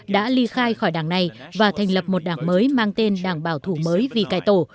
đã ly khai khỏi đảng này và thành lập một đảng mới mang tên đảng bảo thủ mới vì cải tổ